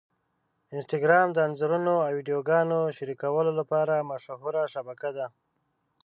انسټاګرام د انځورونو او ویډیوګانو شریکولو لپاره مشهوره شبکه ده.